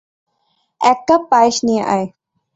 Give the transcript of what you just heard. এক কাপ পায়েস নিয়ে আয়।